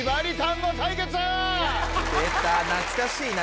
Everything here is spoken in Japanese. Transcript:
出た懐かしいな。